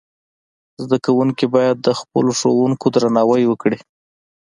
زدهکوونکي باید د خپلو ښوونکو درناوی وکړي.